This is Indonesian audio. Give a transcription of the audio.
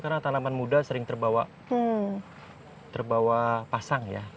karena tanaman muda sering terbawa pasang ya